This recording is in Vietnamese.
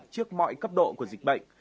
trước mọi cấp độ của dịch bệnh